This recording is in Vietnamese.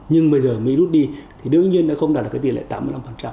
nhưng bây giờ mới rút đi thì đương nhiên nó không đạt được tỷ lệ tám mươi năm